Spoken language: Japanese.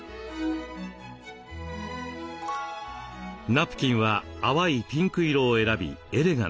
ナプキンは淡いピンク色を選びエレガントに。